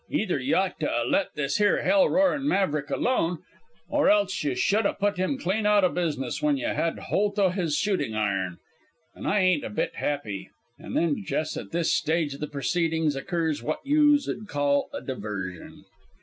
Either y'ought to 'a' let this here hell roarin' maverick alone or else you should 'a' put him clean out o' business when you had holt o' his shootin' iron. An' I ain't a bit happy.' And then jes' at this stage o' the proceedings occurs what youse 'ud call a diversion.